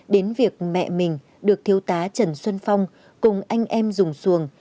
đến việc mẹ mình được thiếu tá trần xuân phong cùng anh em dùng xuồng